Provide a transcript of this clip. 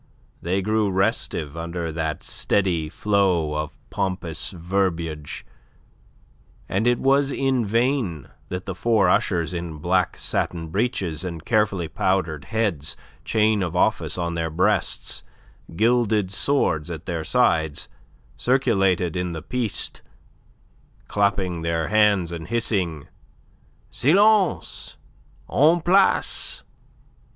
They grew restive under that steady flow of pompous verbiage, and it was in vain that the four ushers in black satin breeches and carefully powdered heads, chain of office on their breasts, gilded sword at their sides, circulated in the Piste, clapping their hands, and hissing, "Silence! En place!"